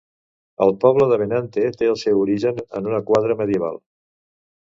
El poble de Benante té el seu origen en una quadra medieval.